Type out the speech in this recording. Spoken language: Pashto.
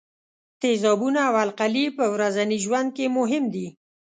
تیزابونه او القلي په ورځني ژوند کې مهم دي.